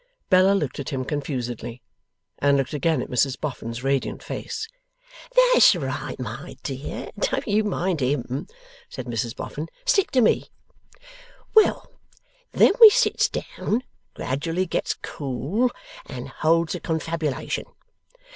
Bella looked at him confusedly, and looked again at Mrs Boffin's radiant face. 'That's right, my dear, don't you mind him,' said Mrs Boffin, 'stick to me. Well! Then we sits down, gradually gets cool, and holds a confabulation.